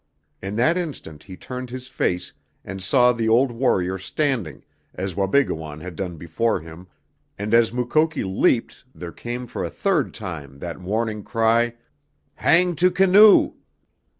In that instant he turned his face and saw the old warrior standing, as Wabigoon had done before him, and as Mukoki leaped there came for a third time that warning cry: "Hang to canoe!"